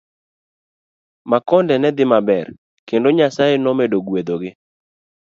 Makonde ne dhi maber kendo Nyasaye nomedo gwetho gi.